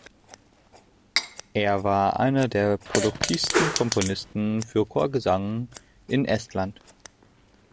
Er war einer der produktivsten Komponisten für Chorgesang in Estland.